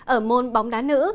ở môn bóng đá nữ